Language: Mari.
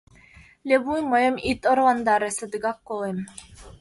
Левуй, мыйым ит орландаре, садыгак колем...